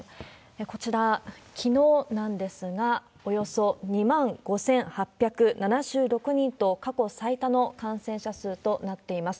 こちら、きのうなんですが、およそ２万５８７６人と、過去最多の感染者数となっています。